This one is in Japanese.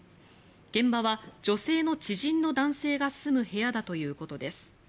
現場は女性の知人の男性が住む部屋だということです。